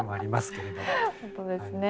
本当ですね